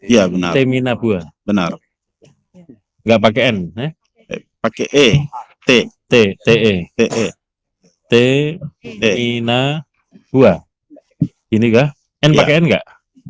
ia benar terminabua benar enggak pakai en eh pakai e t t e t e t e na gua ini enggak enggak